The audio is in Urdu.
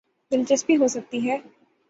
دلچسپی ہو سکتی ہے۔